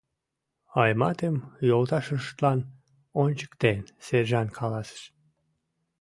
— Айматым йолташыштлан ончыктен, сержант каласыш.